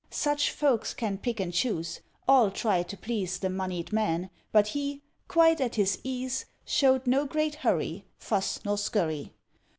Such folks can pick and choose; all tried to please The moneyed man; but he, quite at his ease, Showed no great hurry, Fuss, nor scurry.